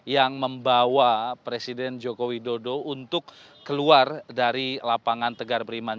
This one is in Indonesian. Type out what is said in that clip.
yang membawa presiden joko widodo untuk keluar dari lapangan tegar beriman